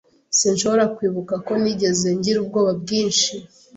Sinshobora kwibuka ko nigeze ngira ubwoba bwinshi.